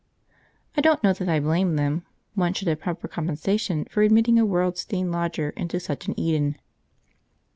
I don't know that I blame them; one should have proper compensation for admitting a world stained lodger into such an Eden.